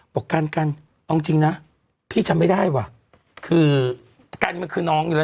ประกันกันเอาจริงนะพี่จำไม่ได้ว่ะคือกันมันคือน้องอยู่แล้ว